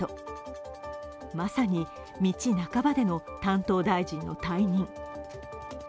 まさに道半ばでの担当大臣の退任。